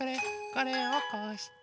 これをこうして。